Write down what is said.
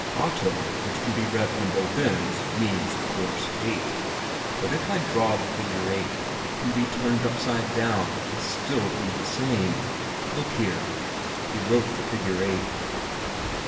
"Otto, which can be read from both ends, means, of course, eight; but if I draw the figure 8, it can be turned upside down, and still be the same. Look here!" He wrote the figure eight.